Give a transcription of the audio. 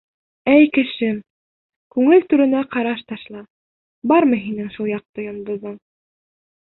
Эй, кешем, күңел түреңә ҡараш ташла: бармы һинең шул яҡты йондоҙоң?